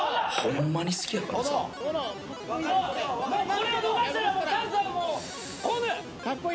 これを逃したらチャンスはもう来ぬ！